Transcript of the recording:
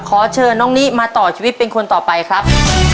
ขอเชิญน้องนิมาต่อชีวิตเป็นคนต่อไปครับ